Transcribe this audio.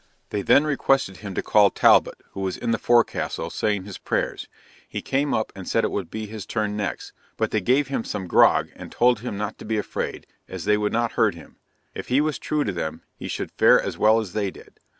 They then requested him to call Talbot, who was in the forecastle, saying his prayers; he came up and said it would be his turn next! but they gave him some grog, and told him not to be afraid, as they would not hurt him; if he was true to them, he should fare as well as they did.